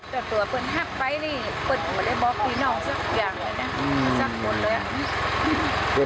ถ้าตัวเป็นหักไฟนี่เป็นเหมือนได้บอกพี่น้องสักอย่างเลยนะสักคนเลยอ่ะ